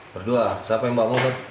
berdua siapa yang bawa